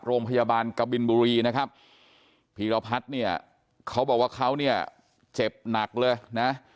โรงพยาบาลกบินบุรีนะครับพีรพัฒน์เนี่ยเขาบอกว่าเขาเนี่ยเจ็บหนักเลยนะ